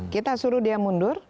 kita suruh dia mundur